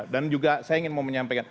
dan juga saya ingin mau menyampaikan